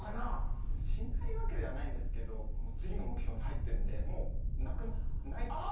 しないわけではないんですけど次の目標に入ってるんでもうないというか。